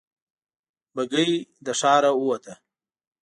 بګۍ له ښاره ووته.